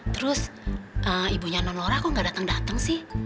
terus ibunya non lora kok gak dateng dateng sih